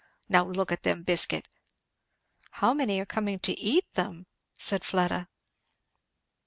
Now look at them biscuit!" "How many are coming to eat them?" said Fleda.